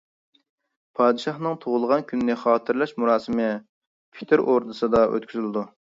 پادىشاھنىڭ تۇغۇلغان كۈننى خاتىرىلەش مۇراسىمى پېتىر ئوردىسىدا ئۆتكۈزۈلدى.